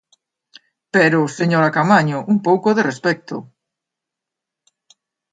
Pero, señora Caamaño, un pouco de respecto.